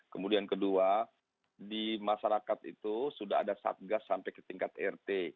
kemudian kedua di masyarakat itu sudah ada satgas sampai ke tingkat rt